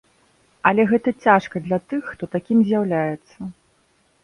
Але гэта цяжка для тых, хто такім з'яўляецца.